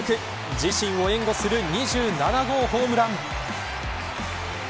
自身を援護する２７号ホームラン。